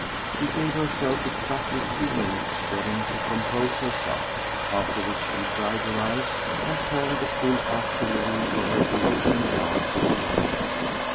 She gave herself exactly two minutes wherein to compose herself, after which she dried her eyes and turned the full artillery of her bewitching glance upon me.